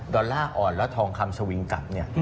ดอลล่าอ่อนแล้วทองคำสวิงกลับ